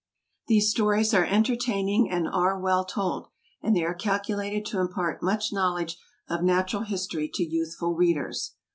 These stories are entertaining and are well told, and they are calculated to impart much knowledge of natural history to youthful readers.